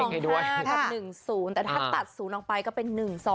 ๕กับ๑๐แต่ถ้าตัดศูนย์ออกไปก็เป็น๑๒